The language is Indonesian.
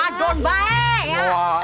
aduh baik ya